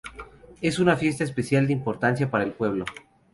Es una fiesta de especial importancia para el pueblo.